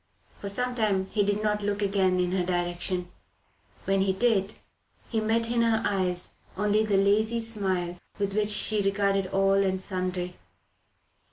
For some time he did not look again in her direction; when he did, he met in her eyes only the lazy smile with which she regarded all and sundry.